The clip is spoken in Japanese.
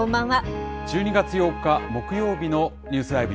１２月８日木曜日のニュースＬＩＶＥ！